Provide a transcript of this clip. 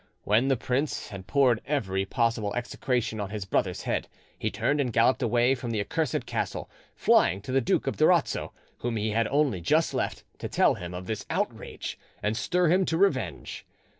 When the prince had poured every possible execration on his brother's head, he turned and galloped away from the accursed castle, flying to the Duke of Durazzo, whom he had only just left, to tell him of this outrage and stir him to revenge.